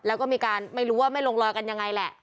แล้วก็มีการไม่รู้ว่าไม่ลงรอยกันยังไงแหละ